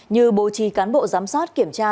như bố trì cán bộ giám sát kiểm tra